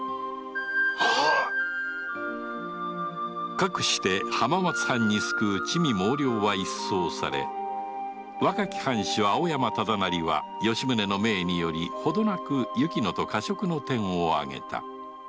かくして浜松藩に巣くう魑魅魍魎は一掃され若き藩主・青山忠成は吉宗の命によりほどなく雪乃と華燭の典を挙げた